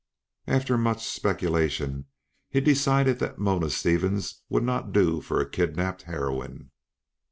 After much speculation he decided that Mona Stevens would not do for a kidnapped heroine.